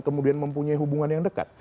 kemudian mempunyai hubungan yang dekat